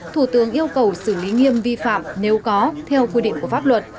thủ tướng yêu cầu xử lý nghiêm vi phạm nếu có theo quy định của pháp luật